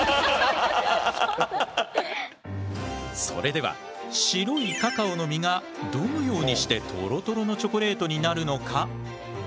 それでは白いカカオの実がどのようにしてトロトロのチョコレートになるのか？